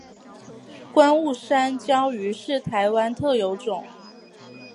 观雾山椒鱼是台湾特有种。